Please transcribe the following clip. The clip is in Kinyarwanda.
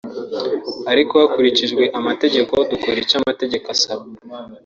ariko hakurikijwe amategeko dukora icyo amategeko asaba